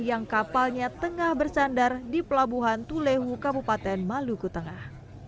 yang kapalnya tengah bersandar di pelabuhan tulehu kabupaten maluku tengah